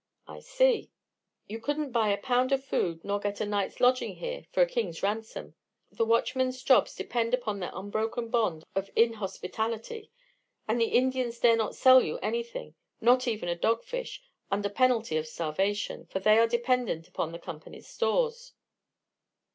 "I see." "You couldn't buy a pound of food nor get a night's lodging here for a king's ransom. The watchmen's jobs depend upon their unbroken bond of inhospitality, and the Indians dare not sell you anything, not even a dogfish, under penalty of starvation, for they are dependent upon the Companies' stores."